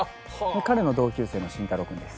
彼の同級生の真太郎君です。